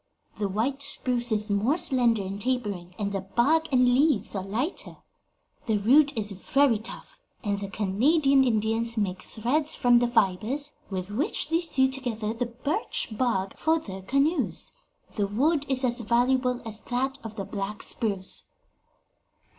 The white spruce is more slender and tapering, and the bark and leaves are lighter. The root is very tough, and the Canadian Indians make threads from the fibres, with which they sew together the birch bark for their canoes. The wood is as valuable as that of the black spruce."